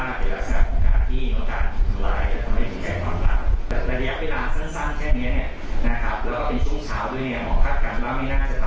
ก็เป็นช่วงเช้าด้วยเนี้ยห่อคาดการณ์แล้วไม่น่าจะทำให้เกิดเรื่องของการที่เขาจะไปตัดแดด